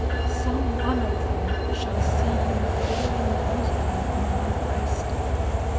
Some one of them shall see you falling weeping on my breast!'